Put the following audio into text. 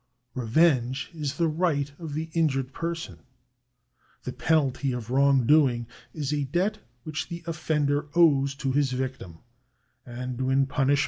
Revenge is the right of the injured person. The penalty of wrongdoing is a debt which the offender owes to his victim, and when the punishment has 1 Deuteronomy, xix.